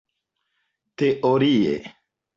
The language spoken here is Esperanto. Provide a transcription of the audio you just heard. teorie